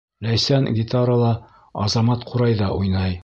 Ләйсән — гитарала, Азамат ҡурайҙа уйнай.